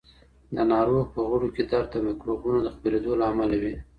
د ناروغ په غړو کې درد د مکروبونو د خپرېدو له امله وي.